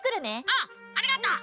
うんありがとう！